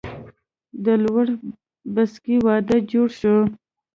د لور بسکي وادۀ جوړ شو